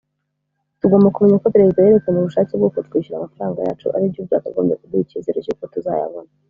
Tugomba kumenya ko Perezida yerekanye ubushake bwo kutwishyura amafaranga yacu aribyo byakagombye kuduha icyizere cy’uko tuzayabona